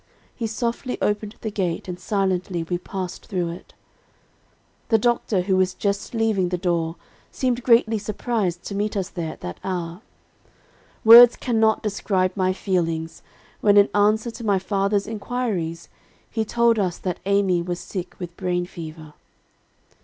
He softly opened the gate, and silently we passed through it. "The doctor, who was just leaving the door, seemed greatly surprised to meet us there at that hour. Words cannot describe my feelings, when in answer to my father's inquiries, he told us that Amy was sick with brain fever.